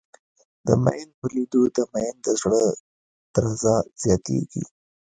د ميئن په لېدو د ميئن د زړه درزه زياتېږي.